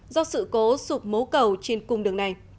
do sự cố sụp mố cầu trên cung đường này